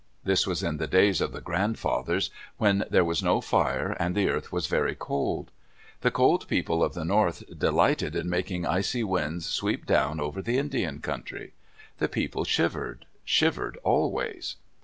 This was in the days of the grandfathers when there was no fire and the earth was very cold. The Cold People of the north delighted in making icy winds sweep down over the Indian country. The people shivered, shivered always.